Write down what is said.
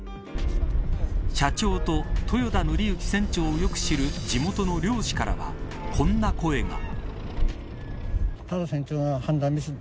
社長と豊田徳幸船長をよく知る地元の漁師からは、こんな声が。